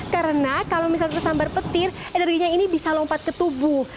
karena kalau misalnya tersambar petir energinya ini bisa lompat ke tubuh